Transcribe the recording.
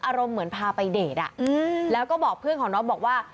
อารมณ์เหมือนพาไปเดทแล้วก็บอกเพื่อนของน้องบอกว่า